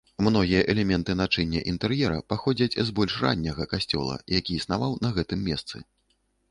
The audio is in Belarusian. Многія элементы начыння інтэр'ера паходзяць з больш ранняга касцёла, які існаваў на гэтым месцы.